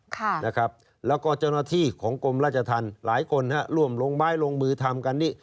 ค่ะนะครับแล้วก็เจ้าหน้าที่ของกรมราชธรรมหลายคนฮะร่วมลงไม้ลงมือทำกันนี่